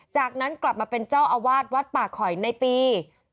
จากนั้นกลับมาเป็นเจ้าอาวาสวัดป่าคอยในปี๒๕๖